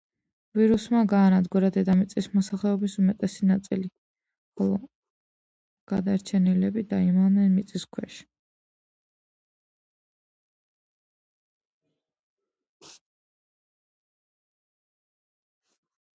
ვირუსმა გაანადგურა დედამიწის მოსახლეობის უმეტესი ნაწილი, ხოლო გადარჩენილები დაიმალნენ მიწის ქვეშ.